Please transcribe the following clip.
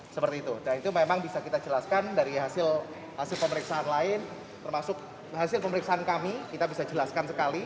seperti itu dan itu memang bisa kita jelaskan dari hasil pemeriksaan lain termasuk hasil pemeriksaan kami kita bisa jelaskan sekali